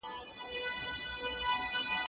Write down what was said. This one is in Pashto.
زه اوس سبا ته فکر کوم،